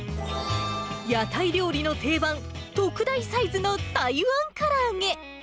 屋台料理の定番、特大サイズの台湾から揚げ。